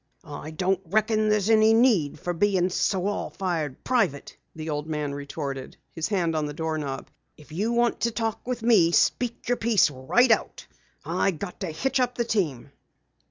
"I don't reckon there's any need for being so all fired private," the old man retorted, his hand on the doorknob. "If you want to talk with me speak your piece right out. I got to hitch up the team."